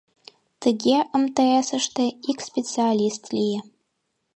Тыге МТС-ыште ик специалист лие.